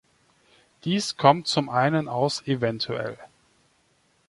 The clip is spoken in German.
Dies kommt zum einen aus evtl.